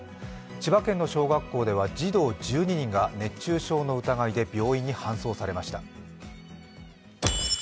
千葉県の小学校では児童１２人が熱中症の疑いで病院に搬送されました。